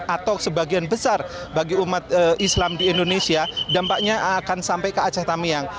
atau sebagian besar bagi umat islam di indonesia dampaknya akan sampai ke aceh tamiang